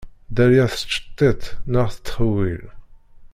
Dderrya tettcettit, neɣ tettxewwil.